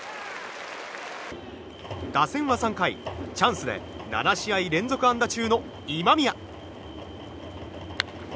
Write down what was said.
打線は３回、チャンスで７試合連続安打中の今宮。